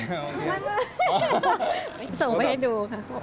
ส่งไปให้ดูค่ะ